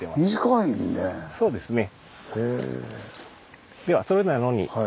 そうですね。